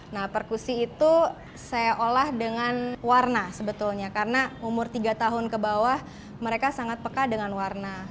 nah perkusi itu saya olah dengan warna sebetulnya karena umur tiga tahun ke bawah mereka sangat peka dengan warna